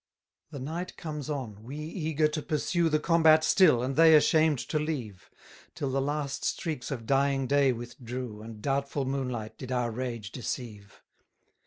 68 The night comes on, we eager to pursue The combat still, and they ashamed to leave: Till the last streaks of dying day withdrew, And doubtful moonlight did our rage deceive.